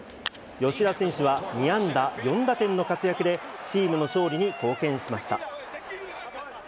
吉田選手は２安打４打点の活躍で、チームの勝利に貢献しました。